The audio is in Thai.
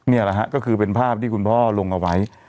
นี่แหละฮะก็คือเป็นภาพที่คุณพ่อลงเอาไว้